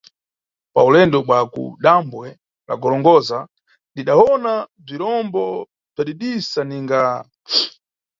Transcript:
Pa ulendo bwa ku dambwe la Gorongosa, ndidawona bzirombo bzadidisa ninga.